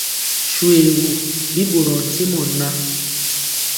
Shoégu, bi ɓorɔɔ ntimɔ ŋan.